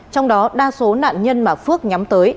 trong đó đa số nạn nhân mà phước nhắm tới